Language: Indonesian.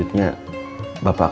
terima kasih banyak pak